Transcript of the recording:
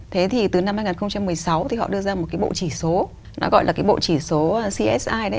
thế thì từ năm hai nghìn một mươi sáu thì họ đưa ra một cái bộ chỉ số nó gọi là cái bộ chỉ số csi đấy